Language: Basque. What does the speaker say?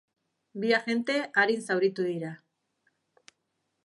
Bi agente arin zauritu dira.